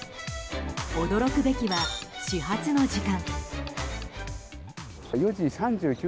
驚くべきは始発の時間。